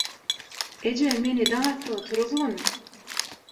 – Eje meni daň atdygy turuzgyn.